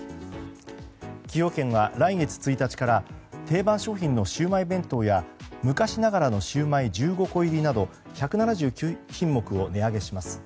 崎陽軒は来月１日から定番商品のシウマイ弁当や昔ながらのシウマイ１５個入など１７９品目を値上げします。